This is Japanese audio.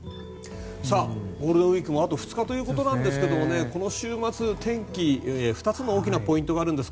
ゴールデンウィークもあと２日ということですがこの週末、天気、２つの大きなポイントがあるんです。